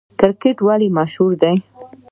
کرکټ ولې مشهور دی؟